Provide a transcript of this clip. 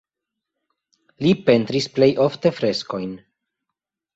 Li pentris plej ofte freskojn.